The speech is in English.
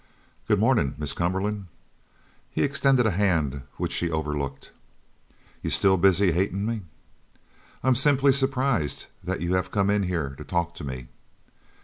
"Good mornin', Miss Cumberland." He extended a hand which she overlooked. "You still busy hatin' me?" "I'm simply surprised that you have come in here to talk to me."